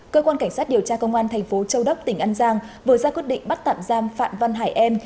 cơ quan cảnh sát điều tra công an thành phố châu đốc tỉnh an giang vừa ra quyết định bắt tạm giam phạm văn hải em